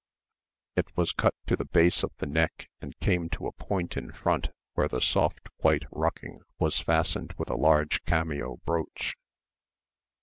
It was cut to the base of the neck and came to a point in front where the soft white ruching was fastened with a large cameo brooch.